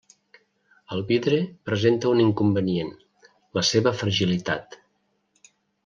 El vidre presenta un inconvenient, la seva fragilitat.